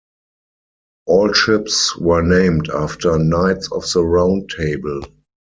All ships were named after Knights of the Round Table.